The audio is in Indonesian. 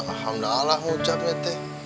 alhamdulillah ngucapnya teh